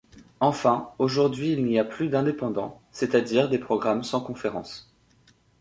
Enfin, aujourd'hui il n'y a plus d'indépendants, c'est-à-dire des programmes sans conférence.